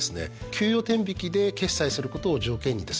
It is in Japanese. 給与天引きで決済することを条件にですね